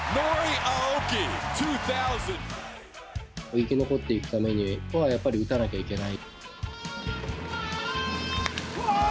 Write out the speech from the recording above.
生き残っていくためにはやっぱり打たなきゃいけない。